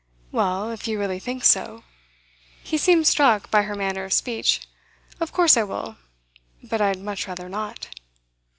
'Well, if you really think so,' he seemed struck by her manner of speech, 'of course I will: but I'd much rather not.